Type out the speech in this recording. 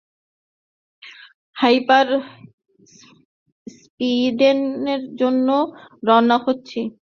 হাইপার-স্পীডের জন্য রওনা দিচ্ছি।